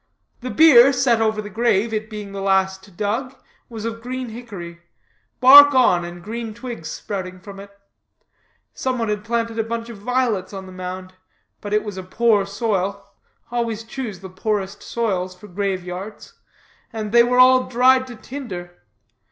The bier, set over the grave, it being the last dug, was of green hickory; bark on, and green twigs sprouting from it. Some one had planted a bunch of violets on the mound, but it was a poor soil (always choose the poorest soils for grave yards), and they were all dried to tinder.